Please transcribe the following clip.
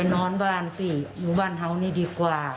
นอนบ้านสิอยู่บ้านเห่านี่ดีกว่า